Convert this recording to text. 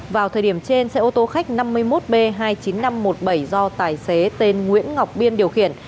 vào thời điểm trên xe ô tô khách năm mươi một b hai mươi chín nghìn năm trăm một mươi bảy do tài xế tên nguyễn ngọc biên điều khiển